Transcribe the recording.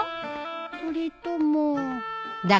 それとも。